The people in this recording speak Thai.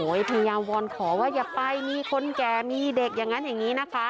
เอิธียาวรรณ์ขอว่าอย่าไปมีคนแกมีเด็กอย่างนั้นอย่างงี้นะคะ